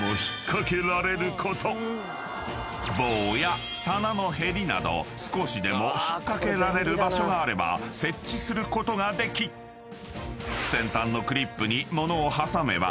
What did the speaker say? ［棒や棚のへりなど少しでも引っ掛けられる場所があれば設置することができ先端のクリップに物を挟めば］